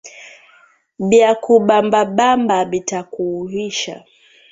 Bya kubambabamba bita kuuwisha